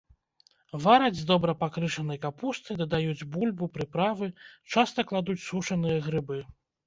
Вараць з дробна пакрышанай капусты, дадаюць бульбу, прыправы, часта кладуць сушаныя грыбы.